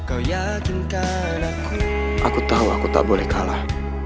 aku tahu aku tak boleh kalah